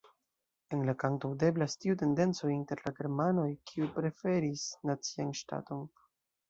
En la kanto aŭdeblas tiu tendenco inter la germanoj kiu preferis nacian ŝtaton.